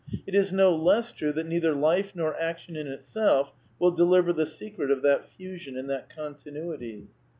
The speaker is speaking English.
It is no less true that neither Life nor action in itself will deliver the secret of that fusion and that continuity.